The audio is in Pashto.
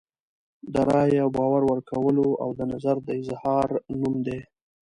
د رایې او باور ورکولو او د نظر د اظهار نوم دی.